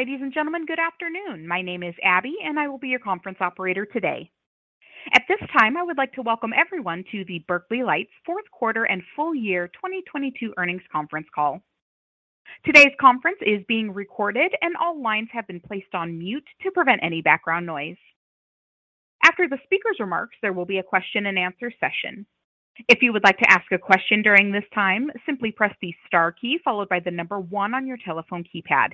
Ladies and gentlemen, good afternoon. My name is Abby, and I will be your conference operator today. At this time, I would like to welcome everyone to the Berkeley Lights Q4 and full year 2022 earnings conference call. Today's conference is being recorded, and all lines have been placed on mute to prevent any background noise. After the speaker's remarks, there will be a question-and-answer session. If you would like to ask a question during this time, simply press the star key followed by the number one on your telephone keypad.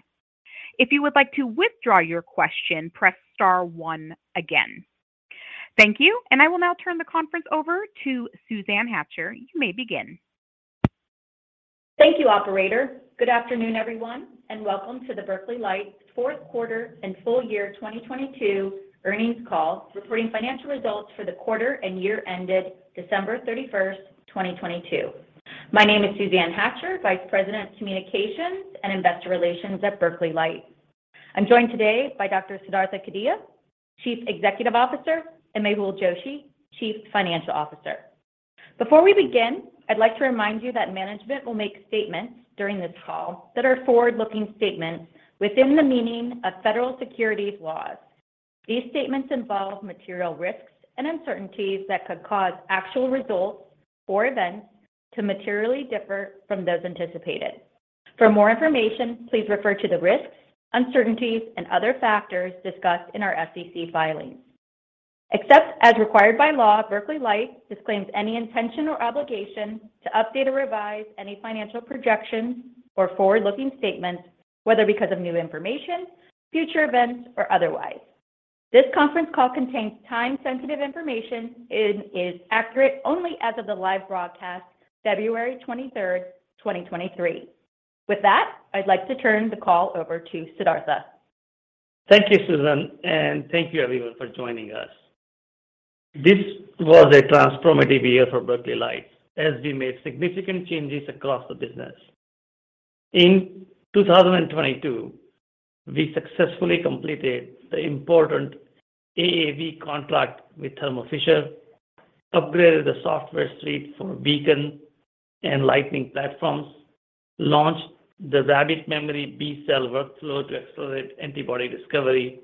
If you would like to withdraw your question, press star one again. Thank you, and I will now turn the conference over to Suzanne Hatcher. You may begin. Thank you, operator. Good afternoon, everyone, and welcome to the Berkeley Lights Q4 and full year 2022 earnings call, reporting financial results for the quarter and year ended December 31, 2022. My name is Suzanne Hatcher, Vice President of Communications and Investor Relations at Berkeley Lights. I'm joined today by Dr. Siddhartha Kadia, Chief Executive Officer, and Mehul Joshi, Chief Financial Officer. Before we begin, I'd like to remind you that management will make statements during this call that are forward-looking statements within the meaning of federal securities laws. These statements involve material risks and uncertainties that could cause actual results or events to materially differ from those anticipated. For more information, please refer to the risks, uncertainties, and other factors discussed in our SEC filings. Except as required by law, Berkeley Lights disclaims any intention or obligation to update or revise any financial projections or forward-looking statements, whether because of new information, future events, or otherwise. This conference call contains time-sensitive information and is accurate only as of the live broadcast, February 23, 2023. With that, I'd like to turn the call over to Siddhartha. Thank you, Suzanne, and thank you everyone for joining us. This was a transformative year for Berkeley Lights as we made significant changes across the business. In 2022, we successfully completed the important AAV contract with Thermo Fisher, upgraded the software suite for Beacon and Lightning platforms, launched the Rabbit Memory B-cell workflow to accelerate antibody discovery,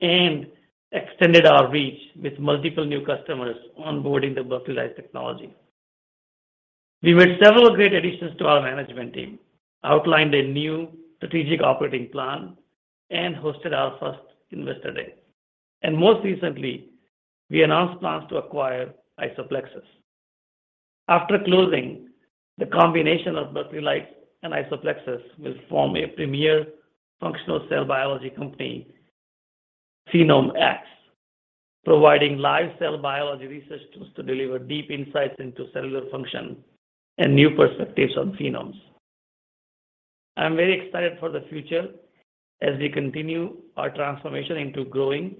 and extended our reach with multiple new customers onboarding the Berkeley Lights technology. We made several great additions to our management team, outlined a new strategic operating plan, and hosted our first Investor Day. Most recently, we announced plans to acquire IsoPlexis. After closing, the combination of Berkeley Lights and IsoPlexis will form a premier functional cell biology company, PhenomeX, providing live cell biology research tools to deliver deep insights into cellular function and new perspectives on phenomes. I'm very excited for the future as we continue our transformation into growing,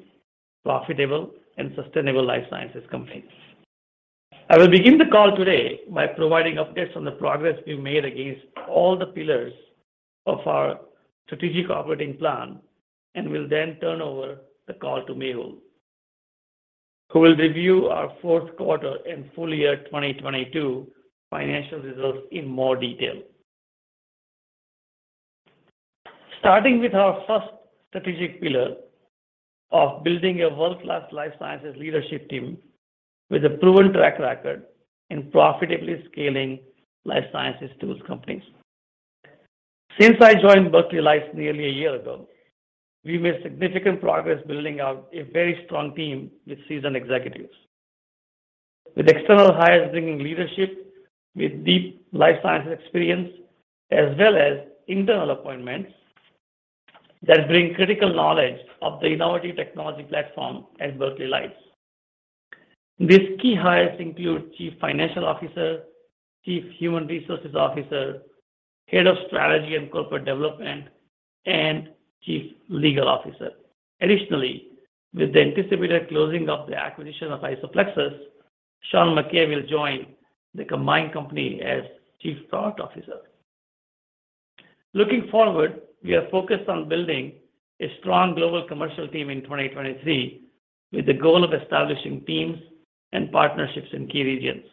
profitable, and sustainable life sciences companies. I will begin the call today by providing updates on the progress we've made against all the pillars of our strategic operating plan and will then turn over the call to Mehul, who will review our Q4 and full year 2022 financial results in more detail. Starting with our first strategic pillar of building a world-class life sciences leadership team with a proven track record in profitably scaling life sciences tools companies. Since I joined Berkeley Lights nearly a year ago, we've made significant progress building out a very strong team with seasoned executives. With external hires bringing leadership with deep life sciences experience, as well as internal appointments that bring critical knowledge of the innovative technology platform at Berkeley Lights. These key hires include Chief Financial Officer, Chief Human Resources Officer, Head of Strategy and Corporate Development, and Chief Legal Officer. Additionally, with the anticipated closing of the acquisition of IsoPlexis, Sean Mackay will join the combined company as Chief Product Officer. Looking forward, we are focused on building a strong global commercial team in 2023 with the goal of establishing teams and partnerships in key regions.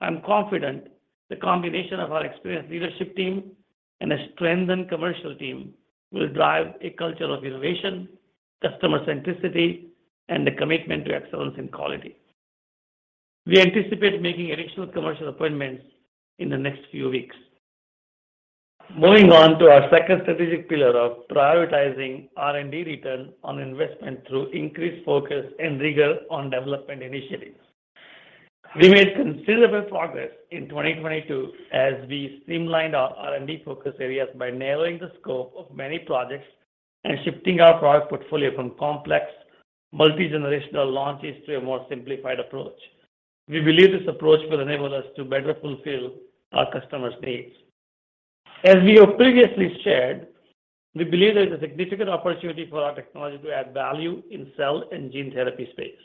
I'm confident the combination of our experienced leadership team and a strengthened commercial team will drive a culture of innovation, customer centricity, and a commitment to excellence in quality. We anticipate making additional commercial appointments in the next few weeks. Moving on to our second strategic pillar of prioritizing R&D return on investment through increased focus and rigor on development initiatives. We made considerable progress in 2022 as we streamlined our R&D focus areas by narrowing the scope of many projects and shifting our product portfolio from complex multi-generational launches to a more simplified approach. We believe this approach will enable us to better fulfill our customers' needs. As we have previously shared, we believe there is a significant opportunity for our technology to add value in cell and gene therapy space.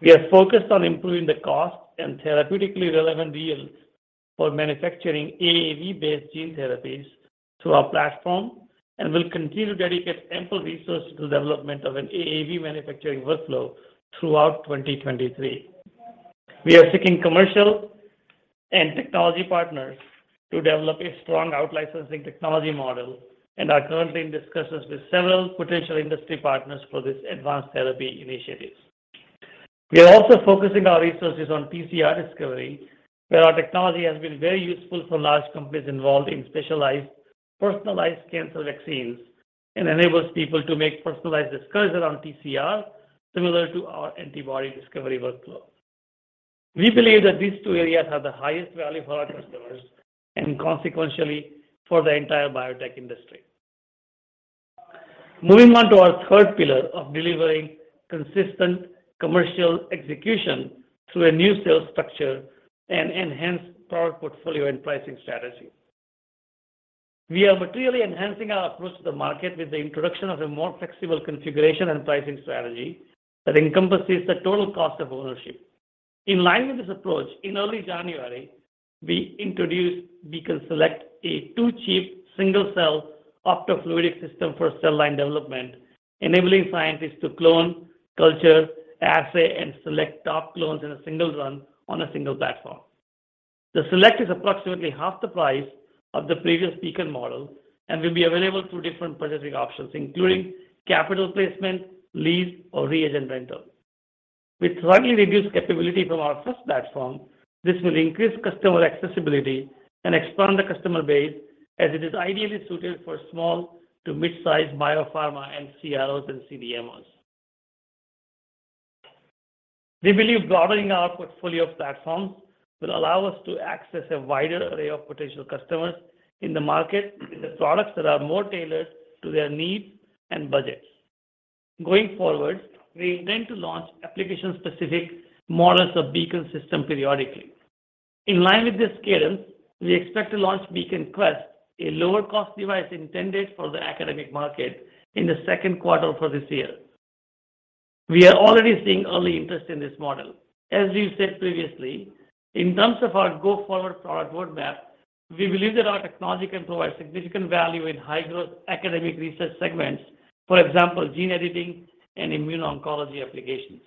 We are focused on improving the cost and therapeutically relevant yield for manufacturing AAV-based gene therapies through our platform and will continue to dedicate ample resources to the development of an AAV manufacturing workflow throughout 2023. We are seeking commercial and technology partners to develop a strong out-licensing technology model and are currently in discussions with several potential industry partners for this advanced therapy initiatives. We are also focusing our resources on TCR discovery, where our technology has been very useful for large companies involved in specialized personalized cancer vaccines and enables people to make personalized discoveries around TCR, similar to our antibody discovery workflow. We believe that these two areas have the highest value for our customers and consequently for the entire biotech industry. Moving on to our third pillar of delivering consistent commercial execution through a new sales structure and enhanced product portfolio and pricing strategy. We are materially enhancing our approach to the market with the introduction of a more flexible configuration and pricing strategy that encompasses the total cost of ownership. In line with this approach, in early January, we introduced Beacon Select, a two-chip single-cell optofluidic system for cell line development, enabling scientists to clone, culture, assay, and select top clones in a single run on a single platform. The Select is approximately half the price of the previous Beacon model and will be available through different purchasing options, including capital placement, lease, or reagent rental. With slightly reduced capability from our first platform, this will increase customer accessibility and expand the customer base as it is ideally suited for small to mid-size biopharma and CROs and CDMOs. We believe broadening our portfolio of platforms will allow us to access a wider array of potential customers in the market with products that are more tailored to their needs and budgets. Going forward, we intend to launch application-specific models of Beacon system periodically. In line with this cadence, we expect to launch Beacon Quest, a lower-cost device intended for the academic market, in the Q2 for this year. We are already seeing early interest in this model. As we've said previously, in terms of our go-forward product roadmap, we believe that our technology can provide significant value in high-growth academic research segments, for example, gene editing and immuno-oncology applications.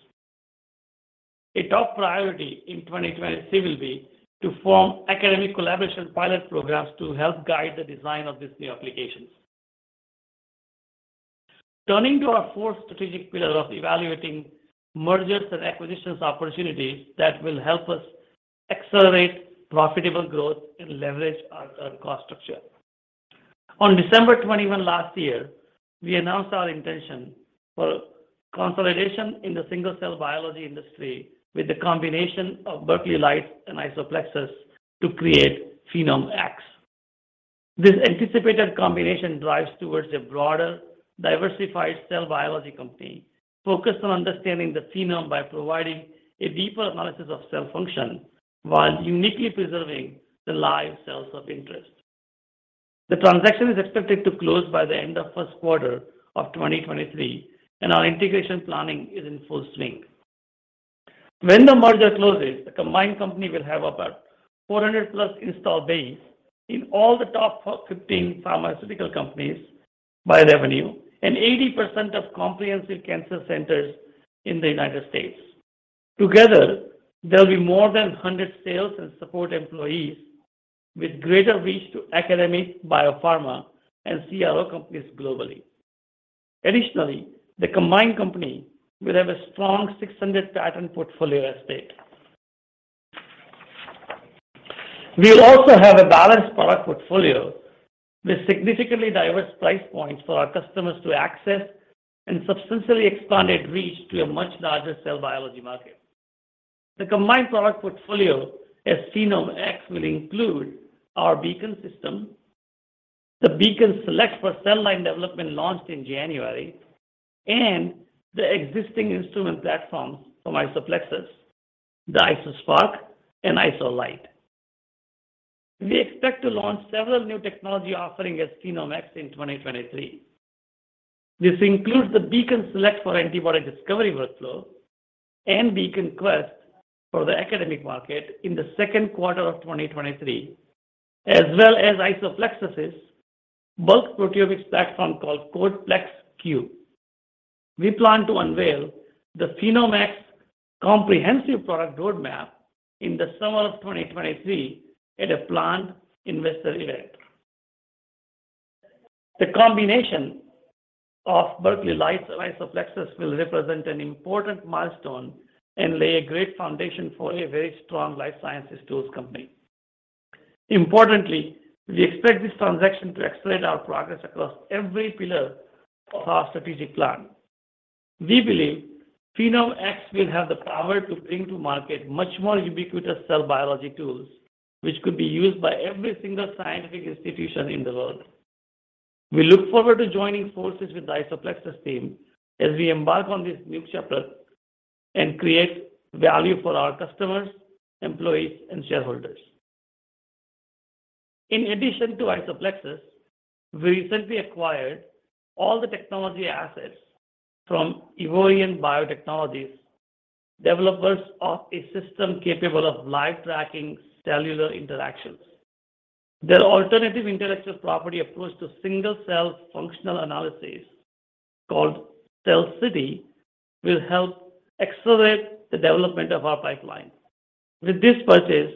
A top priority in 2023 will be to form academic collaboration pilot programs to help guide the design of these new applications. Turning to our fourth strategic pillar of evaluating mergers and acquisitions opportunities that will help us accelerate profitable growth and leverage our current cost structure. On December 21 last year, we announced our intention for consolidation in the single-cell biology industry with the combination of Berkeley Lights and IsoPlexis to create PhenomeX. This anticipated combination drives towards a broader, diversified cell biology company focused on understanding the phenome by providing a deeper analysis of cell function while uniquely preserving the live cells of interest. The transaction is expected to close by the end of Q1 of 2023, our integration planning is in full swing. When the merger closes, the combined company will have about 400+ install base in all the top 15 pharmaceutical companies by revenue and 80% of comprehensive cancer centers in the United States. Together, there'll be more than 100 sales and support employees with greater reach to academic biopharma and CRO companies globally. Additionally, the combined company will have a strong 600 patent portfolio estate. We'll also have a balanced product portfolio with significantly diverse price points for our customers to access and substantially expanded reach to a much larger cell biology market. The combined product portfolio as PhenomeX will include our Beacon system, the Beacon Select for cell line development launched in January, and the existing instrument platforms from IsoPlexis, the IsoSpark and IsoLight. We expect to launch several new technology offerings as PhenomeX in 2023. This includes the Beacon Select for antibody discovery workflow and Beacon Quest for the academic market in the Q2 of 2023, as well as IsoPlexis' bulk proteomics platform called CodePlex Q. We plan to unveil the PhenomeX comprehensive product roadmap in the summer of 2023 at a planned investor event. The combination of Berkeley Lights and IsoPlexis will represent an important milestone and lay a great foundation for a very strong life sciences tools company. Importantly, we expect this transaction to accelerate our progress across every pillar of our strategic plan. We believe PhenomeX will have the power to bring to market much more ubiquitous cell biology tools, which could be used by every single scientific institution in the world. We look forward to joining forces with the IsoPlexis team as we embark on this new chapter and create value for our customers, employees, and shareholders. In addition to IsoPlexis, we recently acquired all the technology assets from Evorion Biotechnologies, developers of a system capable of live-tracking cellular interactions. Their alternative intellectual property approach to single-cell functional analysis, called CellCity, will help accelerate the development of our pipeline. With this purchase,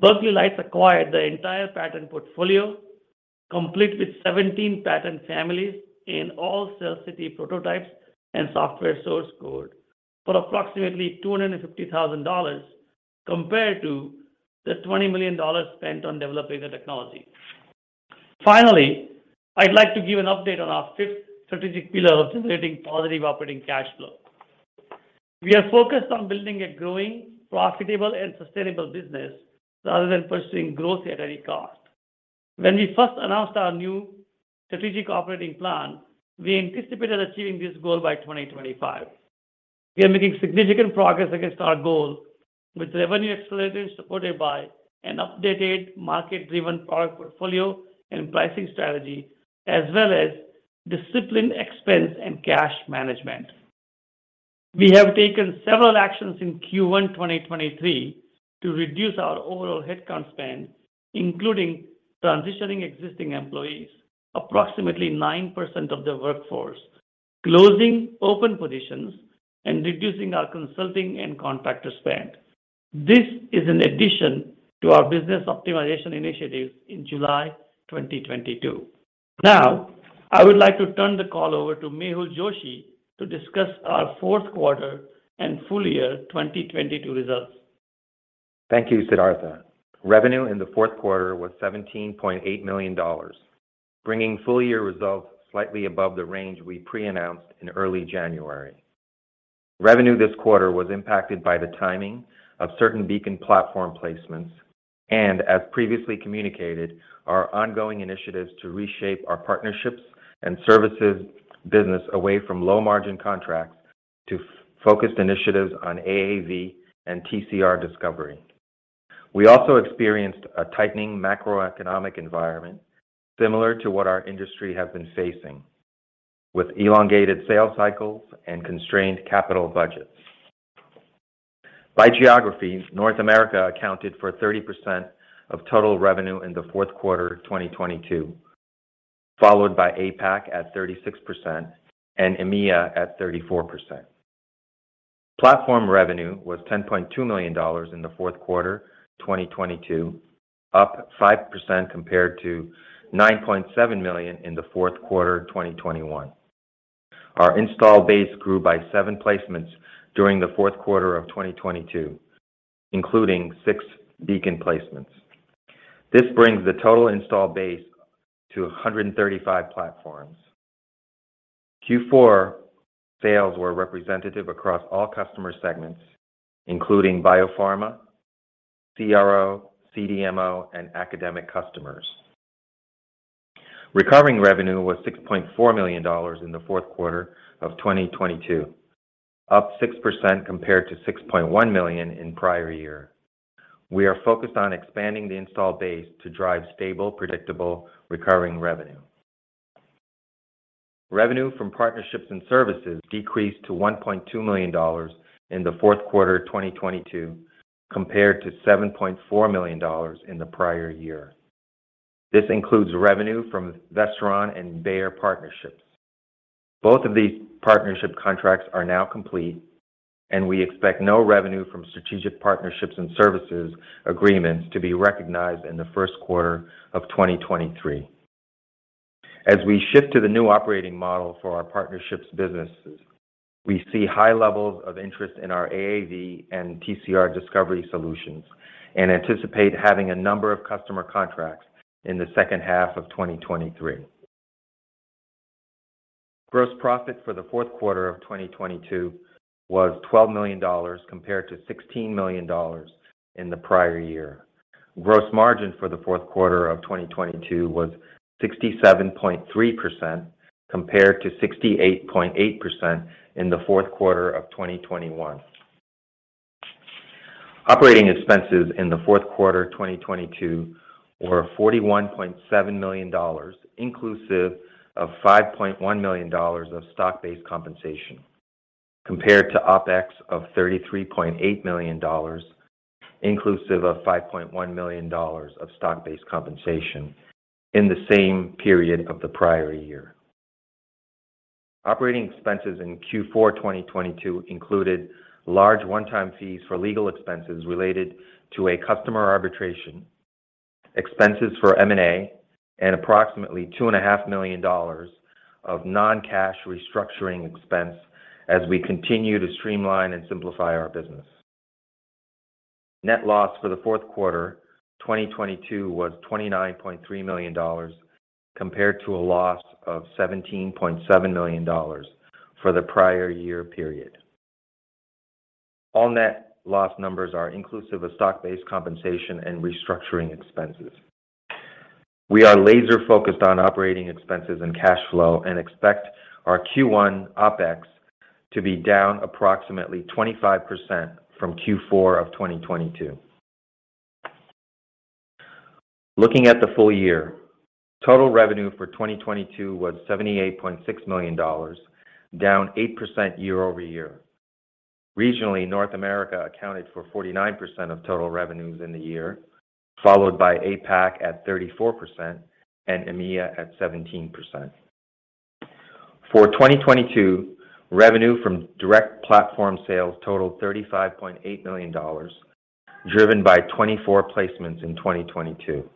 Berkeley Lights acquired the entire patent portfolio, complete with 17 patent families in all CellCity prototypes and software source code for approximately $250,000 compared to the $20 million spent on developing the technology. I'd like to give an update on our fifth strategic pillar of generating positive operating cash flow. We are focused on building a growing, profitable, and sustainable business rather than pursuing growth at any cost. When we first announced our new strategic operating plan, we anticipated achieving this goal by 2025. We are making significant progress against our goal with revenue acceleration supported by an updated market-driven product portfolio and pricing strategy, as well as disciplined expense and cash management. We have taken several actions in Q1 2023 to reduce our overall headcount spend, including transitioning existing employees, approximately 9% of the workforce, closing open positions, and reducing our consulting and contractor spend. This is in addition to our business optimization initiatives in July 2022. Now, I would like to turn the call over to Mehul Joshi to discuss our Q4 and full year 2022 results. Thank you, Siddhartha. Revenue in the Q4 was $17.8 million, bringing full year results slightly above the range we pre-announced in early January. Revenue this quarter was impacted by the timing of certain Beacon platform placements and as previously communicated, our ongoing initiatives to reshape our partnerships and services business away from low-margin contracts to focused initiatives on AAV and TCR discovery. We also experienced a tightening macroeconomic environment similar to what our industry has been facing, with elongated sales cycles and constrained capital budgets. By geography, North America accounted for 30% of total revenue in the Q4 2022, followed by APAC at 36% and EMEA at 34%. Platform revenue was $10.2 million in the Q4 2022, up 5% compared to $9.7 million in the fourth quarter, 2021. Our install base grew by seven placements during the Q4 of 2022, including 6 Beacon placements. This brings the total install base to 135 platforms. Q4 sales were representative across all customer segments, including biopharma, CRO, CDMO, and academic customers. Recovering revenue was $6.4 million in the Q4 of 2022, up 6% compared to $6.1 million in prior year. We are focused on expanding the install base to drive stable, predictable, recurring revenue. Revenue from partnerships and services decreased to $1.2 million in the Q4 2022, compared to $7.4 million in the prior year. This includes revenue from Vestaron and Bayer partnerships. Both of these partnership contracts are now complete. We expect no revenue from strategic partnerships and services agreements to be recognized in the Q1 of 2023. As we shift to the new operating model for our partnership's businesses, we see high levels of interest in our AAV and TCR discovery solutions and anticipate having a number of customer contracts in the second half of 2023. Gross profit for the Q4 of 2022 was $12 million compared to $16 million in the prior year. Gross margin for the Q4 of 2022 was 67.3% compared to 68.8% in the Q4 of 2021. Operating expenses in the Q4 2022 were $41.7 million, inclusive of $5.1 million of stock-based compensation, compared to OpEx of $33.8 million, inclusive of $5.1 million of stock-based compensation in the same period of the prior year. Operating expenses in Q4, 2022 included large one-time fees for legal expenses related to a customer arbitration, expenses for M&A, and approximately $2.5 million of non-cash restructuring expense as we continue to streamline and simplify our business. Net loss for the Q4 2022 was $29.3 million, compared to a loss of $17.7 million for the prior year period. All net loss numbers are inclusive of stock-based compensation and restructuring expenses. We are laser-focused on operating expenses and cash flow, and expect our Q1 OpEx to be down approximately 25% from Q4 of 2022. Looking at the full year, total revenue for 2022 was $78.6 million, down 8% year-over-year. Regionally, North America accounted for 49% of total revenues in the year, followed by APAC at 34% and EMEA at 17%. For 2022, revenue from direct platform sales totaled $35.8 million, driven by 24 placements in 2022.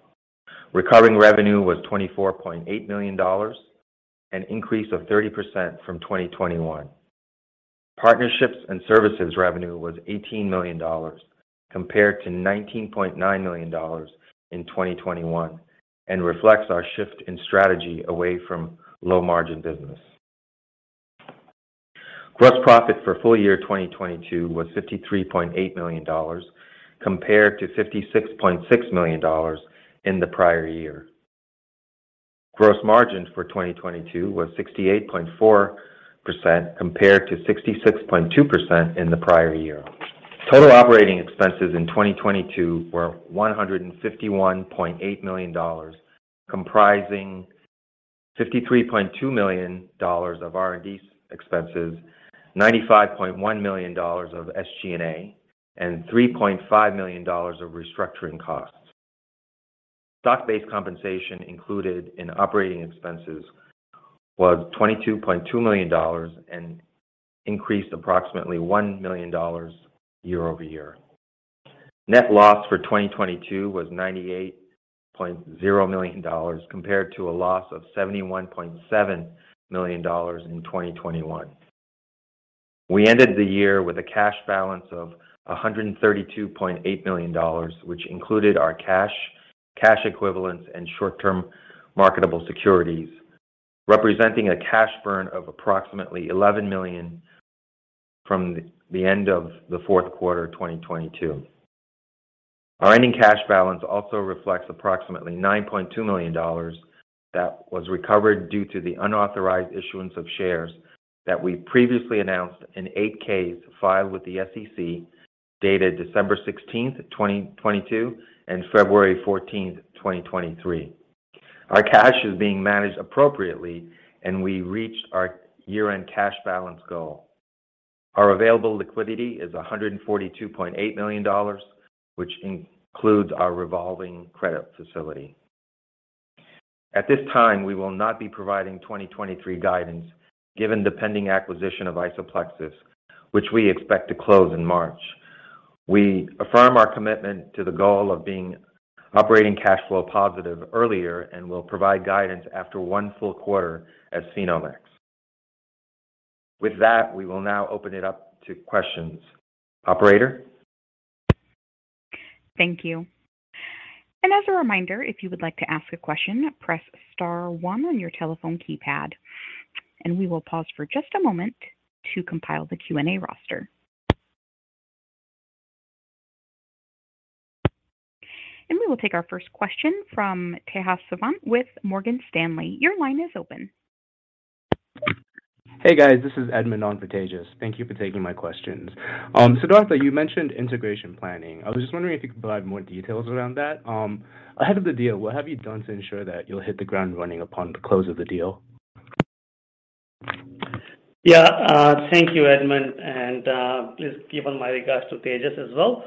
Recovering revenue was $24.8 million, an increase of 30% from 2021. Partnerships and services revenue was $18 million compared to $19.9 million in 2021, and reflects our shift in strategy away from low margin business. Gross profit for full year 2022 was $53.8 million compared to $56.6 million in the prior year. Gross margins for 2022 was 68.4% compared to 66.2% in the prior year. Total operating expenses in 2022 were $151.8 million, comprising $53.2 million of R&D expenses, $95.1 million of SG&A, and $3.5 million of restructuring costs. Stock-based compensation included in operating expenses was $22.2 million and increased approximately $1 million year-over-year. Net loss for 2022 was $98.0 million compared to a loss of $71.7 million in 2021. We ended the year with a cash balance of $132.8 million, which included our cash equivalents, and short-term marketable securities, representing a cash burn of approximately $11 million from the end of the Q4 of 2022. Our ending cash balance also reflects approximately $9.2 million that was recovered due to the unauthorized issuance of shares that we previously announced in eight Ks filed with the SEC dated December 16, 2022, and February 14, 2023. Our cash is being managed appropriately and we reached our year-end cash balance goal. Our available liquidity is $142.8 million, which includes our revolving credit facility. At this time, we will not be providing 2023 guidance given the pending acquisition of IsoPlexis, which we expect to close in March. We affirm our commitment to the goal of being operating cash flow positive earlier and will provide guidance after one full quarter as PhenomeX. With that, we will now open it up to questions. Operator? Thank you. As a reminder, if you would like to ask a question, press star 1 on your telephone keypad, and we will pause for just a moment to compile the Q&A roster. We will take our first question from Tejas Savant with Morgan Stanley. Your line is open. Hey, guys, this is Edmund on for Tejas. Thank you for taking my questions. Siddhartha, you mentioned integration planning. I was just wondering if you could provide more details around that. Ahead of the deal, what have you done to ensure that you'll hit the ground running upon the close of the deal? Yeah, thank you, Edmond. Please give my regards to Tejas as well.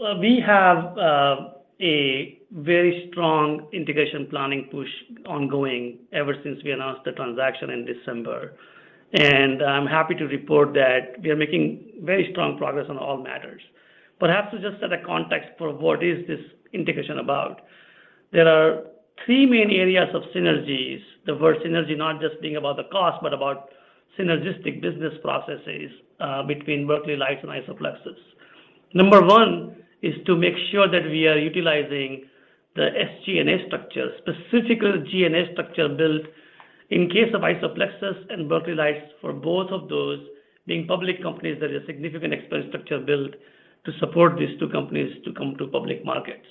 We have a very strong integration planning push ongoing ever since we announced the transaction in December. I'm happy to report that we are making very strong progress on all matters. Perhaps to just set a context for what is this integration about, there are three main areas of synergies, the word synergy not just being about the cost, but about synergistic business processes, between Berkeley Lights and IsoPlexis. Number one is to make sure that we are utilizing the SG&A structure, specifically G&A structure built in case of IsoPlexis and Berkeley Lights for both of those being public companies, there is significant expense structure built to support these two companies to come to public markets.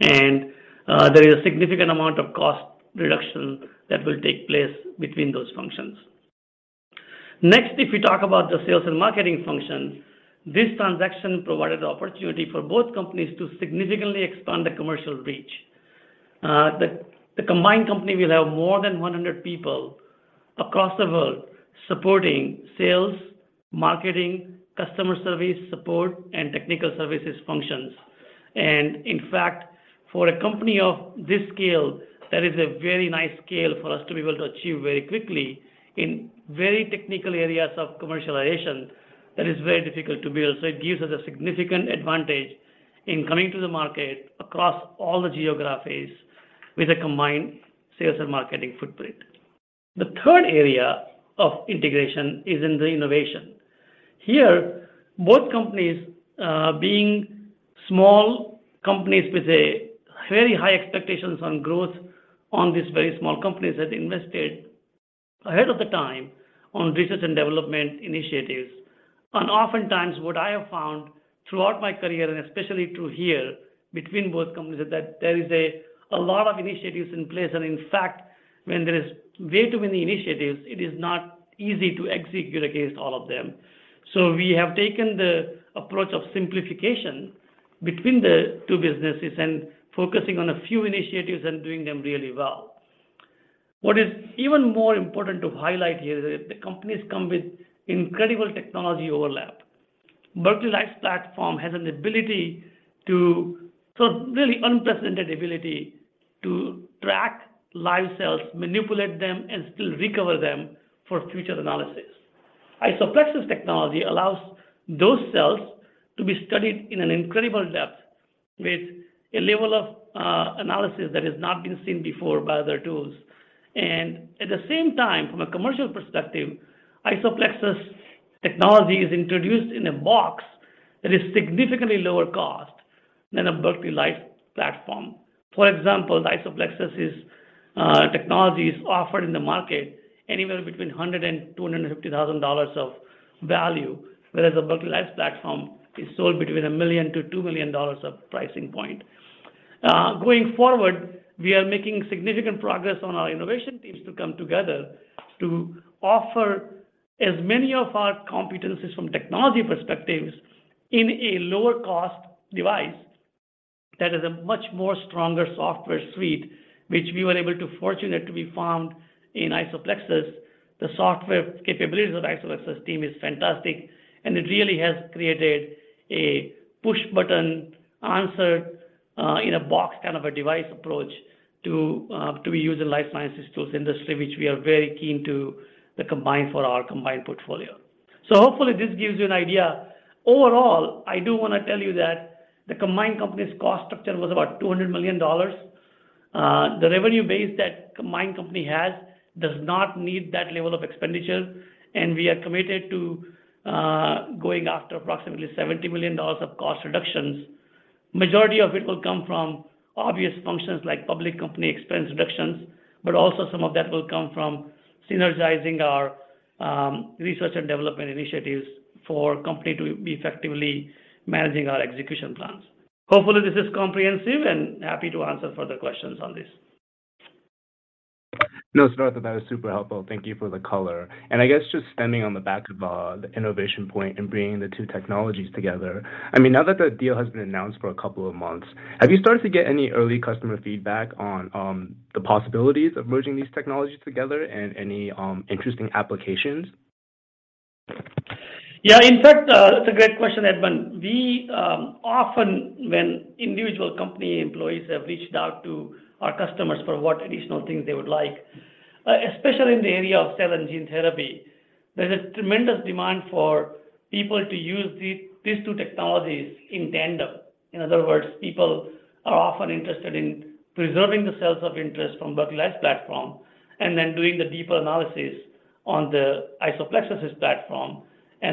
There is a significant amount of cost reduction that will take place between those functions. Next, if we talk about the sales and marketing functions, this transaction provided the opportunity for both companies to significantly expand the commercial reach. The combined company will have more than 100 people across the world supporting sales, marketing, customer service, support, and technical services functions. In fact, for a company of this scale, that is a very nice scale for us to be able to achieve very quickly in very technical areas of commercialization that is very difficult to build. It gives us a significant advantage in coming to the market across all the geographies with a combined sales and marketing footprint. The third area of integration is in the innovation. Here, both companies, being small companies with a very high expectations on growth on these very small companies have invested ahead of the time on research and development initiatives. Oftentimes what I have found throughout my career and especially through here between both companies, is that there is a lot of initiatives in place. In fact, when there is way too many initiatives, it is not easy to execute against all of them. We have taken the approach of simplification between the two businesses and focusing on a few initiatives and doing them really well. What is even more important to highlight here is the companies come with incredible technology overlap. Berkeley Lights platform has an unprecedented ability to track live cells, manipulate them, and still recover them for future analysis. IsoPlexis technology allows those cells to be studied in an incredible depth with a level of analysis that has not been seen before by other tools. From a commercial perspective, IsoPlexis technology is introduced in a box that is significantly lower cost than a Berkeley Lights platform. The IsoPlexis' technology is offered in the market anywhere between $100,000 and $250,000 of value, whereas a Berkeley Lights platform is sold between $1 million-$2 million of pricing point. We are making significant progress on our innovation teams to come together to offer as many of our competencies from technology perspectives in a lower cost device that has a much more stronger software suite, which we were able to fortunate to be found in IsoPlexis. The software capabilities of the IsoPlexis team is fantastic, and it really has created a push button answer, in a box, kind of a device approach to be used in life sciences tools industry, which we are very keen to combine for our combined portfolio. Hopefully this gives you an idea. Overall, I do wanna tell you that the combined company's cost structure was about $200 million. The revenue base that combined company has does not need that level of expenditure, and we are committed to going after approximately $70 million of cost reductions. Majority of it will come from obvious functions like public company expense reductions, but also some of that will come from synergizing our research and development initiatives for company to be effectively managing our execution plans. Hopefully, this is comprehensive and happy to answer further questions on this. No, Siddhartha, that is super helpful. Thank you for the color. I guess just standing on the back of the innovation point and bringing the two technologies together, I mean, now that the deal has been announced for a couple of months, have you started to get any early customer feedback on the possibilities of merging these technologies together and any interesting applications? In fact, that's a great question, Edmund. We often when individual company employees have reached out to our customers for what additional things they would like, especially in the area of cell and gene therapy, there's a tremendous demand for people to use these two technologies in tandem. In other words, people are often interested in preserving the cells of interest from Berkeley Lights platform and then doing the deeper analysis on the IsoPlexis platform.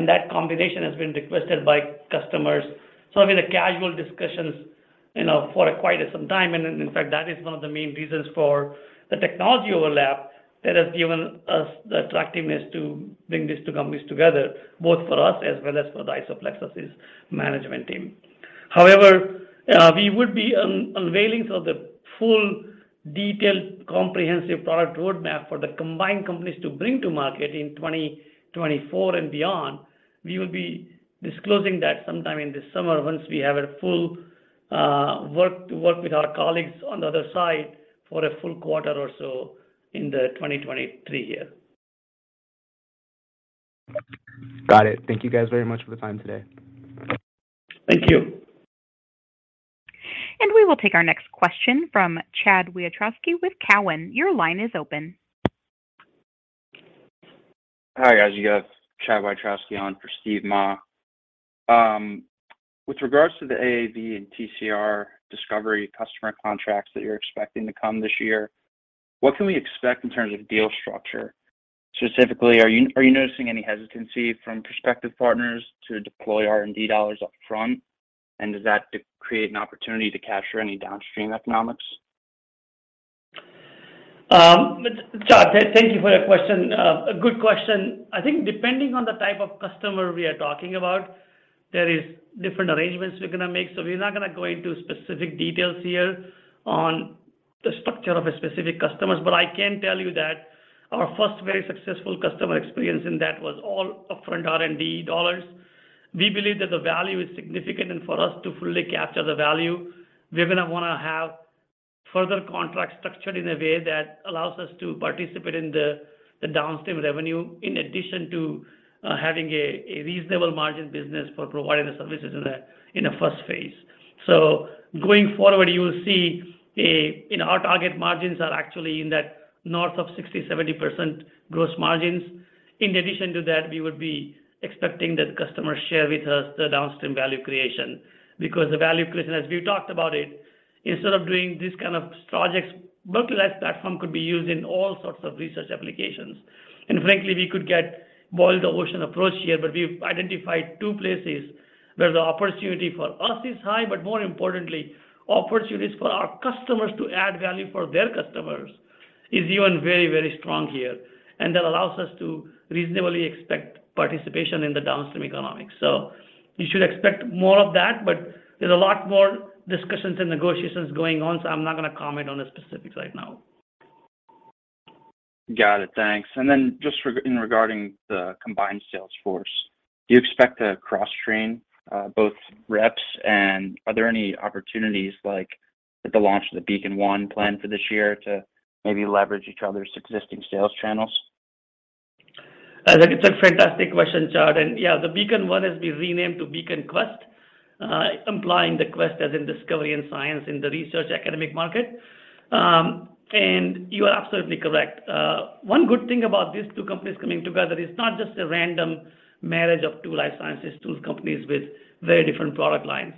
That combination has been requested by customers. I mean, the casual discussions, you know, for quite some time. In fact, that is one of the main reasons for the technology overlap that has given us the attractiveness to bring these two companies together, both for us as well as for the IsoPlexis management team. However, we would be unveiling of the full detailed comprehensive product roadmap for the combined companies to bring to market in 2024 and beyond. We will be disclosing that sometime in the summer once we have a full work to work with our colleagues on the other side for a full quarter or so in the 2023 year. Got it. Thank you guys very much for the time today. Thank you. We will take our next question from Chad Wiatroski with Cowen. Your line is open. Hi, guys. You got Chad Wiatrowski on for Steven Mah. With regards to the AAV and TCR discovery customer contracts that you're expecting to come this year, what can we expect in terms of deal structure? Specifically, are you noticing any hesitancy from prospective partners to deploy R&D dollars up front? Does that create an opportunity to capture any downstream economics? Chad, thank you for your question. A good question. I think depending on the type of customer we are talking about, there is different arrangements we're gonna make. We're not gonna go into specific details here on the structure of a specific customers, but I can tell you that our first very successful customer experience in that was all upfront R&D dollars. We believe that the value is significant, and for us to fully capture the value, we're gonna wanna have further contract structured in a way that allows us to participate in the downstream revenue in addition to having a reasonable margin business for providing the services in a first phase. Going forward, you know, our target margins are actually in that north of 60%-70% gross margins. In addition to that, we would be expecting that customers share with us the downstream value creation because the value creation, as we talked about it, instead of doing these kind of projects, Berkeley Lights platform could be used in all sorts of research applications. Frankly, we could get boil the ocean approach here, but we've identified two places where the opportunity for us is high, but more importantly, opportunities for our customers to add value for their customers is even very, very strong here. That allows us to reasonably expect participation in the downstream economics. You should expect more of that, but there's a lot more discussions and negotiations going on, so I'm not gonna comment on the specifics right now. Got it. Thanks. Regarding the combined sales force. Do you expect to cross-train both reps and are there any opportunities like with the launch of the Beacon One plan for this year to maybe leverage each other's existing sales channels? That is a fantastic question, Chad. Yeah, the Beacon One has been renamed to Beacon Quest, implying the quest as in discovery and science in the research academic market. You are absolutely correct. One good thing about these two companies coming together, it's not just a random marriage of two life sciences tools companies with very different product lines.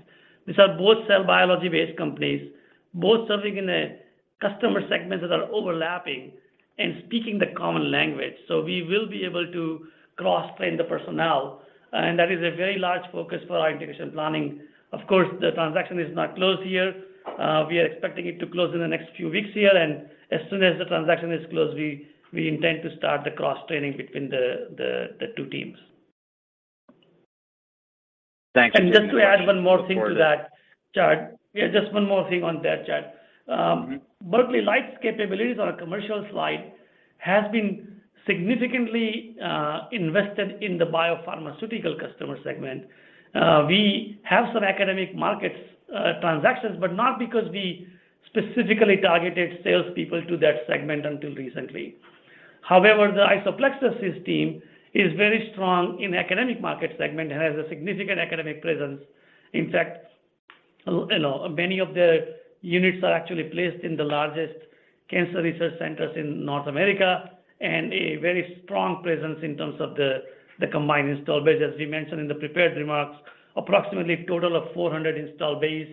These are both cell biology-based companies, both serving in a customer segments that are overlapping and speaking the common language. We will be able to cross-train the personnel, and that is a very large focus for our integration planning. Of course, the transaction is not closed yet. We are expecting it to close in the next few weeks here, and as soon as the transaction is closed, we intend to start the cross-training between the two teams. Thanks. Just to add one more thing to that, Chad. Yeah, just one more thing on that, Chad. Berkeley Lights capabilities on a commercial slide has been significantly invested in the biopharmaceutical customer segment. We have some academic markets transactions, but not because we specifically targeted salespeople to that segment until recently. However, the IsoPlexis team is very strong in academic market segment and has a significant academic presence. In fact, you know, many of their units are actually placed in the largest cancer research centers in North America and a very strong presence in terms of the combined install base, as we mentioned in the prepared remarks, approximately total of 400 install base,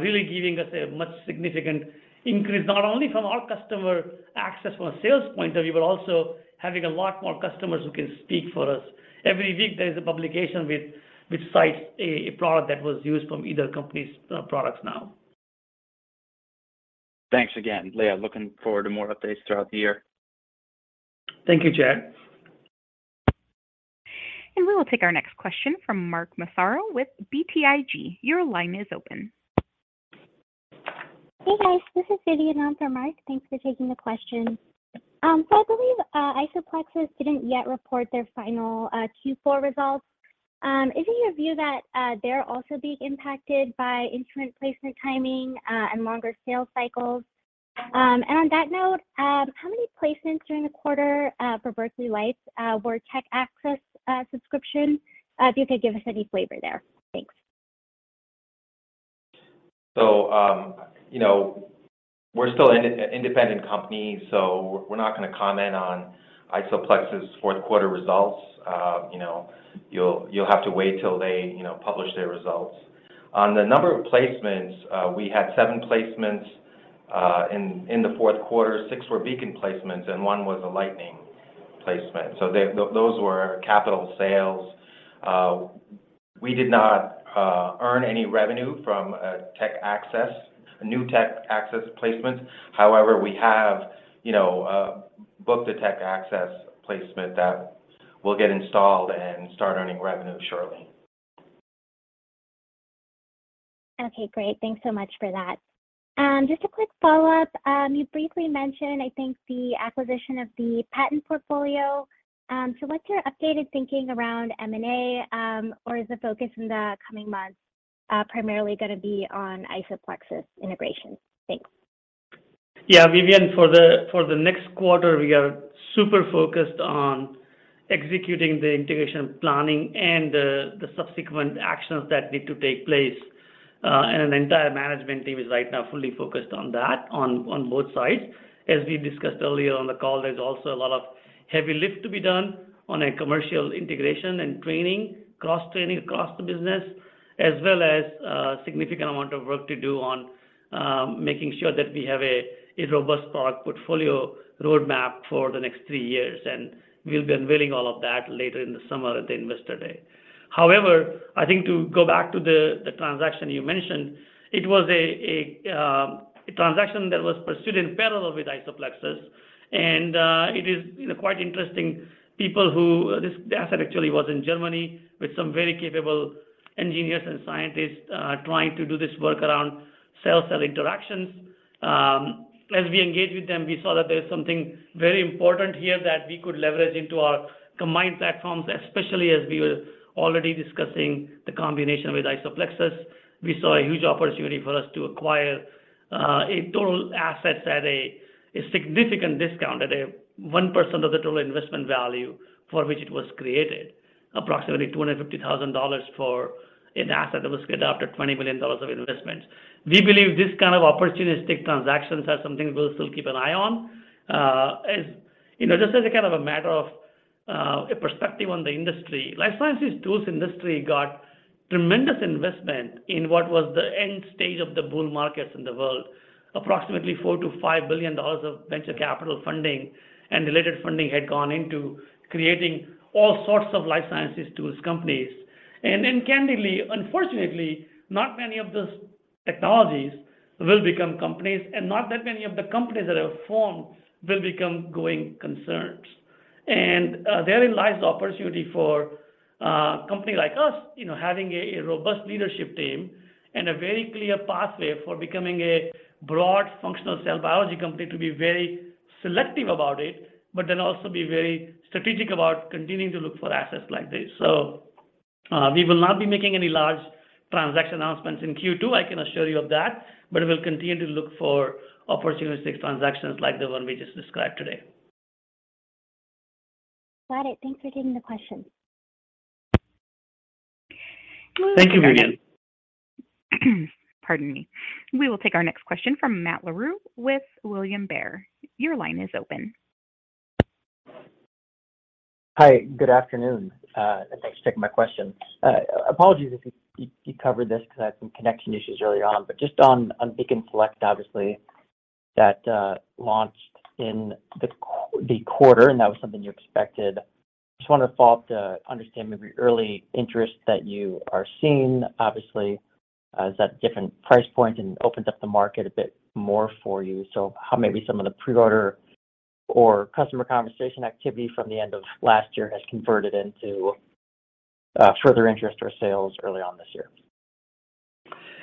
really giving us a much significant increase, not only from our customer access from a sales point of view, but also having a lot more customers who can speak for us. Every week, there is a publication with which cites a product that was used from either company's products now. Thanks again, Lea. Looking forward to more updates throughout the year. Thank you, Chad. We will take our next question from Mark Massaro with BTIG. Your line is open. Hey, guys. This is Vivian on for Mark. Thanks for taking the question. I believe IsoPlexis didn't yet report their final Q4 results. Is it your view that they're also being impacted by instrument placement timing and longer sales cycles? On that note, how many placements during the quarter for Berkeley Lights were Technology Access subscription? If you could give us any flavor there. Thanks. you know, we're still an independent company, so we're not gonna comment on IsoPlexis' fourth quarter results. you know, you'll have to wait till they, you know, publish their results. On the number of placements, we had 7 placements in the Q4. 6 were Beacon placements and 1 was a Lightning placement. those were capital sales. We did not earn any revenue from Technology Access, new Technology Access placements. However, we have, you know, booked a Technology Access placement that will get installed and start earning revenue shortly. Okay, great. Thanks so much for that. Just a quick follow-up. You briefly mentioned, I think, the acquisition of the patent portfolio. What's your updated thinking around M&A, or is the focus in the coming months, primarily gonna be on IsoPlexis integration? Thanks. Yeah, Vivian, for the next quarter, we are super focused on executing the integration planning and the subsequent actions that need to take place. An entire management team is right now fully focused on that on both sides. As we discussed earlier on the call, there's also a lot of heavy lift to be done on a commercial integration and training, cross-training across the business, as well as a significant amount of work to do on making sure that we have a robust product portfolio roadmap for the next three years. We'll be unveiling all of that later in the summer at the Investor Day. However, I think to go back to the transaction you mentioned, it was a transaction that was pursued in parallel with IsoPlexis. It is, you know, quite interesting people the asset actually was in Germany with some very capable engineers and scientists trying to do this work around cell-cell interactions. As we engage with them, we saw that there's something very important here that we could leverage into our combined platforms, especially as we were already discussing the combination with IsoPlexis. We saw a huge opportunity for us to acquire total assets at a significant discount, at a 1% of the total investment value for which it was created, approximately $250,000 for an asset that was scaled up to $20 million of investment. We believe this kind of opportunistic transactions are something we'll still keep an eye on. As you know, just as a kind of matter of perspective on the industry, life sciences tools industry got tremendous investment in what was the end stage of the bull markets in the world. Approximately $4 billion-$5 billion of venture capital funding and related funding had gone into creating all sorts of life sciences tools companies. Candidly, unfortunately, not many of those technologies will become companies, not that many of the companies that are formed will become going concerns. therein lies the opportunity for a company like us, you know, having a robust leadership team and a very clear pathway for becoming a broad functional cell biology company to be very selective about it, but then also be very strategic about continuing to look for assets like this. We will not be making any large transaction announcements in Q2, I can assure you of that, but we'll continue to look for opportunistic transactions like the one we just described today. Got it. Thanks for taking the question. Thank you, Vivian. Pardon me. We will take our next question from Matt Larew with William Blair. Your line is open. Hi, good afternoon, and thanks for taking my question. Apologies if you covered this because I had some connection issues early on, but just on Beacon Select, obviously, that launched in the quarter, and that was something you expected. Just wanted to follow up to understand maybe early interest that you are seeing. Obviously, it's at different price point and opens up the market a bit more for you. How maybe some of the pre-order or customer conversation activity from the end of last year has converted into further interest or sales early on this year?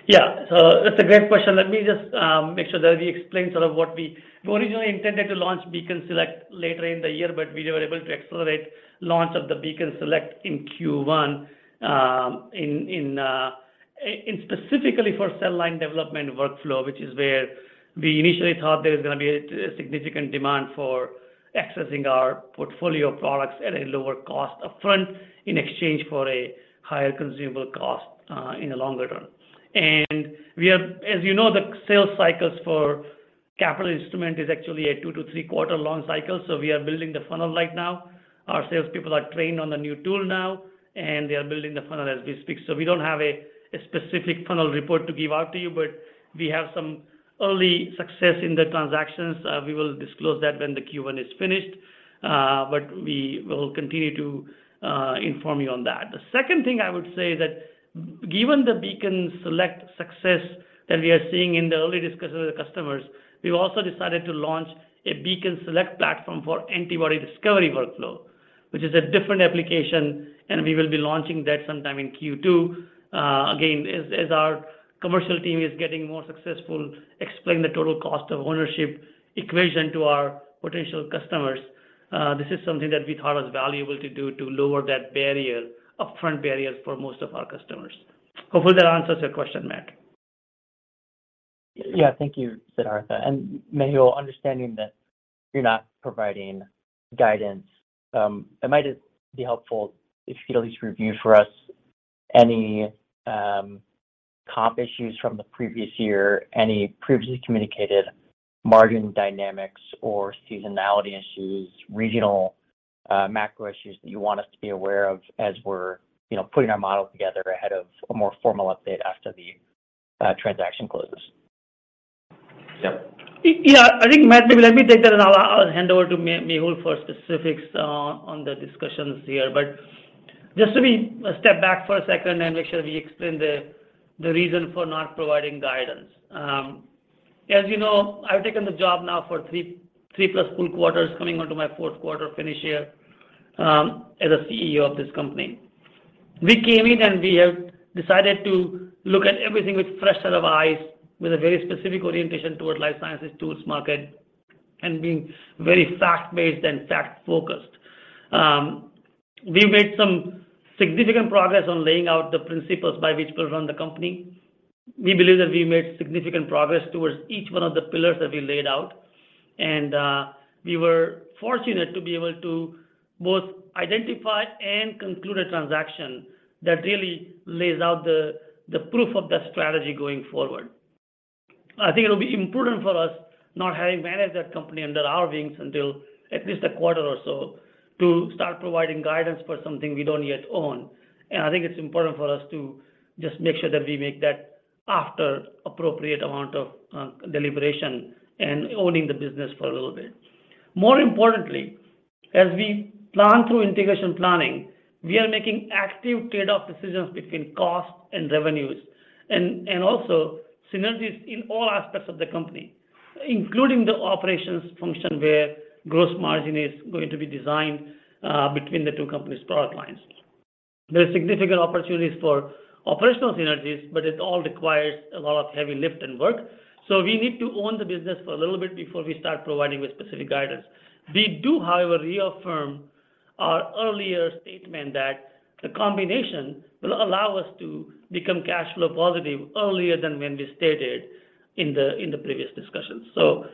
Yeah. That's a great question. Let me just make sure that we explain sort of what we. We originally intended to launch Beacon Select later in the year, but we were able to accelerate launch of the Beacon Select in Q1 in specifically for cell line development workflow, which is where we initially thought there was gonna be a significant demand for accessing our portfolio of products at a lower cost upfront in exchange for a higher consumable cost in the longer term. We are. As you know, the sales cycles for capital instrument is actually a two to three quarter long cycle, so we are building the funnel right now. Our salespeople are trained on the new tool now, and they are building the funnel as we speak. We don't have a specific funnel report to give out to you, but we have some early success in the transactions. We will disclose that when the Q1 is finished, but we will continue to inform you on that. The second thing I would say that given the Beacon Select success that we are seeing in the early discussions with customers, we've also decided to launch a Beacon Select platform for antibody discovery workflow, which is a different application, and we will be launching that sometime in Q2. Again, as our commercial team is getting more successful explaining the total cost of ownership equation to our potential customers, this is something that we thought was valuable to do to lower that barrier, upfront barrier for most of our customers. Hopefully, that answers your question, Matt. Yeah. Thank you, Siddhartha. Mehul, understanding that you're not providing guidance, it might just be helpful if you could at least review for us any comp issues from the previous year, any previously communicated margin dynamics or seasonality issues, regional macro issues that you want us to be aware of as we're, you know, putting our model together ahead of a more formal update after the transaction closes. Yeah. I think, Matt, maybe let me take that, and I'll hand over to Mehul for specifics on the discussions here. Just to step back for a second and make sure we explain the reason for not providing guidance. As you know, I've taken the job now for 3-plus full quarters, coming on to my Q4 finish here as a CEO of this company. We came in, and we have decided to look at everything with fresh set of eyes, with a very specific orientation toward life sciences tools market and being very fact-based and fact focused. We've made some significant progress on laying out the principles by which we'll run the company. We believe that we made significant progress towards each one of the pillars that we laid out. We were fortunate to be able to both identify and conclude a transaction that really lays out the proof of that strategy going forward. I think it'll be important for us not having managed that company under our wings until at least a quarter or so to start providing guidance for something we don't yet own. I think it's important for us to just make sure that we make that after appropriate amount of deliberation and owning the business for a little bit. More importantly, as we plan through integration planning, we are making active trade-off decisions between costs and revenues and also synergies in all aspects of the company, including the operations function where gross margin is going to be designed between the two companies' product lines. There are significant opportunities for operational synergies, but it all requires a lot of heavy lift and work, so we need to own the business for a little bit before we start providing with specific guidance. We do, however, reaffirm our earlier statement that the combination will allow us to become cash flow positive earlier than when we stated in the previous discussions.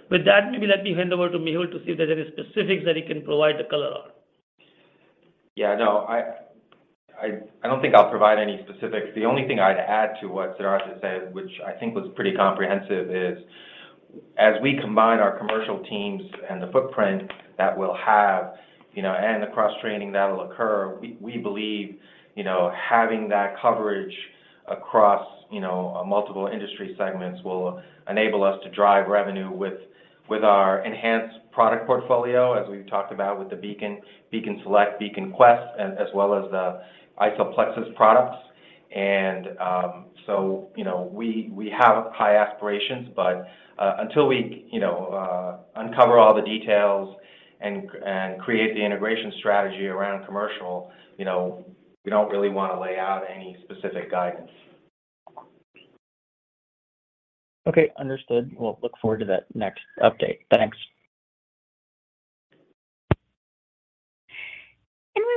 With that, maybe let me hand over to Mehul to see if there are any specifics that he can provide the color on. Yeah. No, I don't think I'll provide any specifics. The only thing I'd add to what Siddhartha said, which I think was pretty comprehensive, is as we combine our commercial teams and the footprint that we'll have, you know, and the cross-training that'll occur, we believe, you know, having that coverage across, you know, multiple industry segments will enable us to drive revenue with our enhanced product portfolio, as we've talked about with the Beacon Select, Beacon Quest, and as well as the IsoPlexis products. You know, we have high aspirations, but until we, you know, uncover all the details and create the integration strategy around commercial, you know, we don't really wanna lay out any specific guidance. Okay, understood. We'll look forward to that next update. Thanks.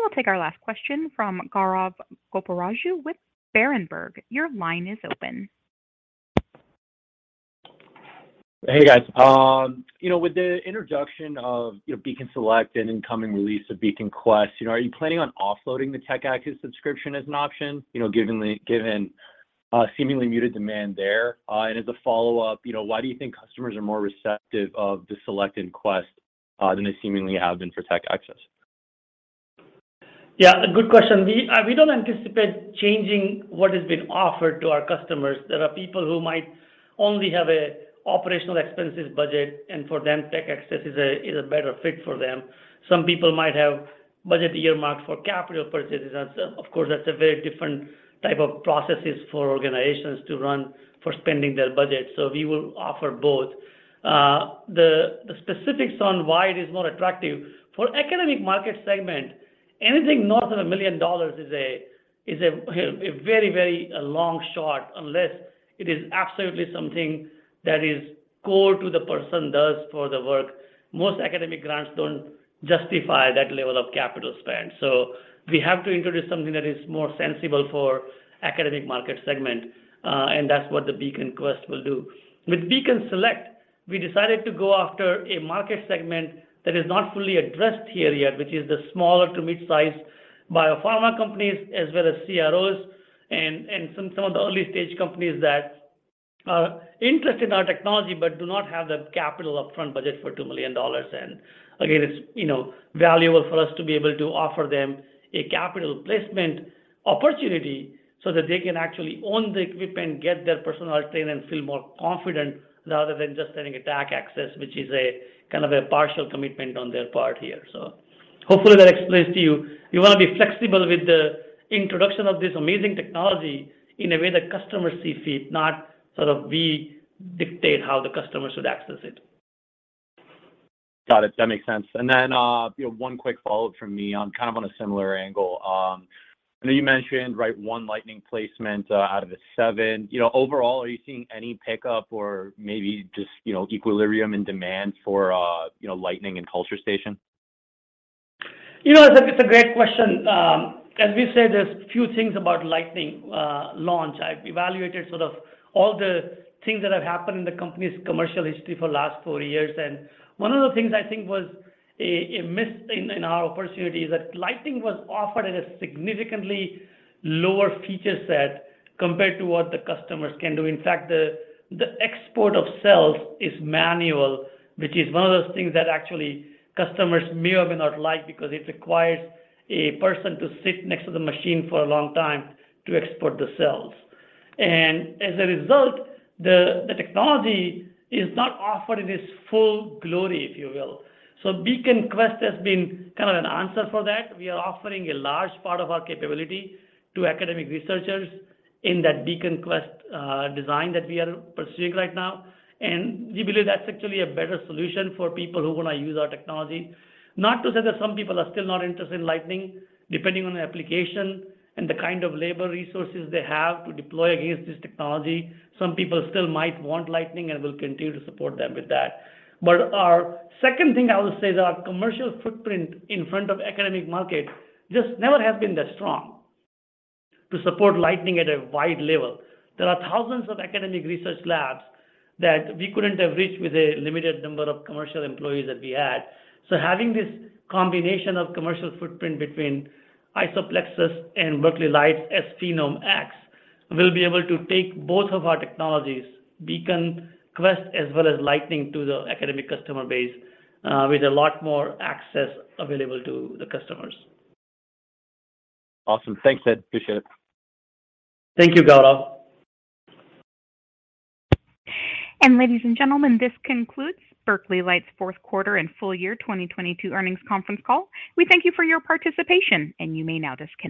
We will take our last question from Gaurav Goparaju with Berenberg. Your line is open. Hey, guys. you know, with the introduction of, you know, Beacon Select and incoming release of Beacon Quest, you know, are you planning on offloading the Technology Access subscription as an option, you know, given given, seemingly muted demand there? As a follow-up, you know, why do you think customers are more receptive of the Select and Quest, than they seemingly have been for Technology Access? Good question. We don't anticipate changing what has been offered to our customers. There are people who might only have an OpEx budget, and for them, Tech Access is a better fit for them. Some people might have budget earmarked for capital purchases. Of course, that's a very different type of processes for organizations to run for spending their budget. We will offer both. The specifics on why it is more attractive for academic market segment, anything north of $1 million is a very, very long shot unless it is absolutely something that is core to the person does for the work. Most academic grants don't justify that level of capital spend. We have to introduce something that is more sensible for academic market segment, and that's what the Beacon Quest will do. With Beacon Select, we decided to go after a market segment that is not fully addressed here yet, which is the smaller to mid-sized biopharma companies as well as CROs and some of the early-stage companies that are interested in our technology but do not have the capital upfront budget for $2 million. Again, it's, you know, valuable for us to be able to offer them a capital placement opportunity so that they can actually own the equipment, get their personnel trained, and feel more confident rather than just getting a tech access, which is kind of a partial commitment on their part here. Hopefully that explains to you. We wanna be flexible with the introduction of this amazing technology in a way that customers see fit, not sort of we dictate how the customer should access it. Got it. That makes sense. You know, one quick follow-up from me on, kind of on a similar angle. I know you mentioned, right, one Lightning placement out of the seven. You know, overall, are you seeing any pickup or maybe just, you know, equilibrium in demand for, you know, Lightning and Culture Station? You know what, that is a great question. As we said, there's a few things about Lightning launch. I've evaluated sort of all the things that have happened in the company's commercial history for the last four years, and one of the things I think was a miss in our opportunity is that Lightning was offered at a significantly lower feature set compared to what the customers can do. In fact, the export of cells is manual, which is one of those things that actually customers may or may not like because it requires a person to sit next to the machine for a long time to export the cells. As a result, the technology is not offered in its full glory, if you will. Beacon Quest has been kind of an answer for that. We are offering a large part of our capability to academic researchers in that Beacon Quest design that we are pursuing right now. We believe that's actually a better solution for people who wanna use our technology. Not to say that some people are still not interested in Lightning, depending on the application and the kind of labor resources they have to deploy against this technology. Some people still might want Lightning, and we'll continue to support them with that. Our second thing I will say is our commercial footprint in front of academic market just never has been that strong to support Lightning at a wide level. There are thousands of academic research labs that we couldn't have reached with a limited number of commercial employees that we had. Having this combination of commercial footprint between IsoPlexis and Berkeley Lights' PhenomeX, we'll be able to take both of our technologies, Beacon Quest as well as Lightning, to the academic customer base, with a lot more access available to the customers. Awesome. Thanks, Ed. Appreciate it. Thank you, Gaurav. Ladies and gentlemen, this concludes Berkeley Lights' Q4 and full year 2022 earnings conference call. We thank you for your participation, and you may now disconnect.